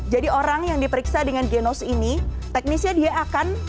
jadi orang yang diperiksa dengan genose ini teknisnya dia akan